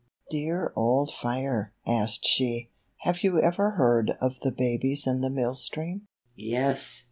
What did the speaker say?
"Dear old fire," asked she, "have you ever heard of the babies in the mill stream?" "Yes!"